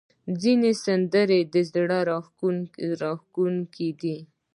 ځینې سندرې زړه راښکونکې دي.